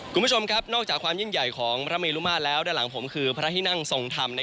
คุณผู้ชมครับนอกจากความยิ่งใหญ่ของพระเมลุมาตรแล้วด้านหลังผมคือพระที่นั่งทรงธรรม